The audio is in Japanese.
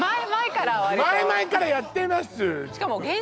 前々からやってますー